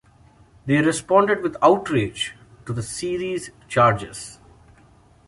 They responded with outrage to the series' charges.